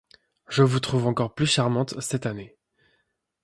Je vous trouve encore plus charmante cette année.